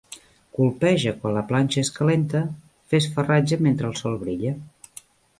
Colpeja quan la planxa és calenta, fes farratge mentre el sol brilla.